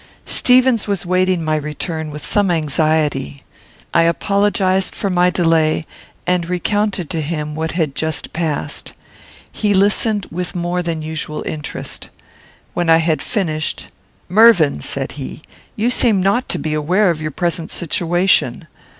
Stevens was waiting my return with some anxiety. I apologized for my delay, and recounted to him what had just passed. He listened with more than usual interest. When I had finished, "Mervyn," said he, "you seem not be aware of your present situation.